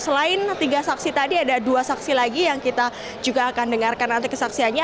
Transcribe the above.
selain tiga saksi tadi ada dua saksi lagi yang kita juga akan dengarkan nanti kesaksiannya